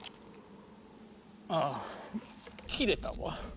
ああ切れたわ。